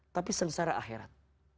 tapi sengsara akhirat